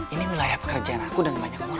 ini wilayah pekerjaan aku dan banyak warga